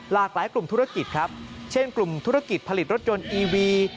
หลายกลุ่มธุรกิจครับเช่นกลุ่มธุรกิจผลิตรถยนต์อีวี